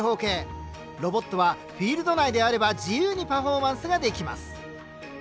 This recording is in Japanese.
ロボットはフィールド内であれば自由にパフォーマンスができます。